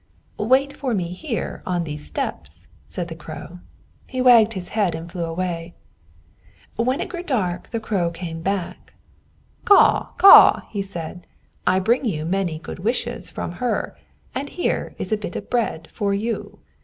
"Wait for me here on these steps," said the Crow. He wagged his head and flew away. When it grew dark the Crow came back. "Caw! caw!" said he. "I bring you a great many good wishes from her; and here is a bit of bread for you.